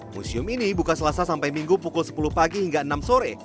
museum ini buka selasa sampai minggu pukul sepuluh pagi hingga enam sore